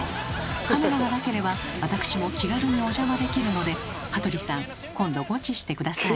カメラがなければ私も気軽にお邪魔できるので羽鳥さん今度ゴチして下さい。